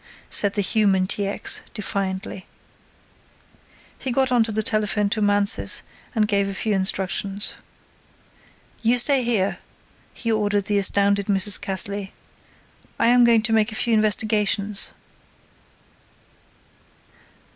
said the human T. X., defiantly. He got on the telephone to Mansus and gave a few instructions. "You stay here," he ordered the astounded Mrs. Cassley; "I am going to make a few investigations."